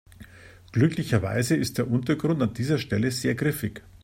Glücklicherweise ist der Untergrund an dieser Stelle sehr griffig.